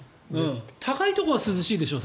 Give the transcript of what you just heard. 高いところは涼しいでしょ